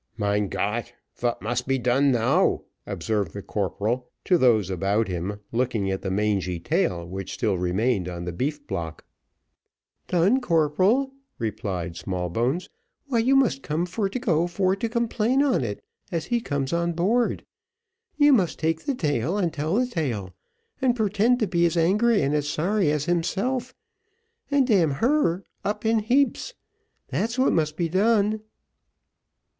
"Mein Gott! vat must be done now?" observed the corporal to those about him, looking at the mangy tail which still remained on the beef block. "Done, corporal," replied Smallbones, "why, you must come for to go for to complain on it, as he comes on board. You must take the tail, and tell the tale, and purtend to be as angry and as sorry as himself, and damn her up in heaps. That's what must be done."